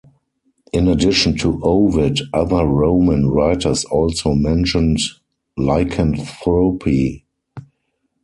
In addition to Ovid, other Roman writers also mentioned lycanthropy.